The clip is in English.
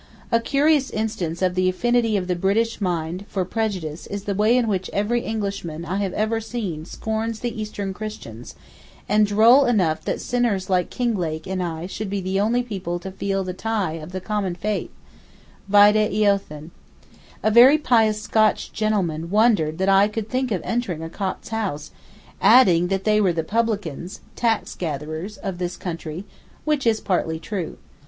A curious instance of the affinity of the British mind for prejudice is the way in which every Englishman I have seen scorns the Eastern Christians, and droll enough that sinners like Kinglake and I should be the only people to feel the tie of the 'common faith' (vide 'Eothen'). A very pious Scotch gentleman wondered that I could think of entering a Copt's house, adding that they were the publicans (tax gatherers) of this country, which is partly true.